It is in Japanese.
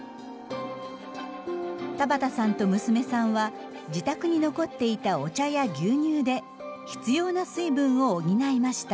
田畑さんと娘さんは自宅に残っていたお茶や牛乳で必要な水分を補いました。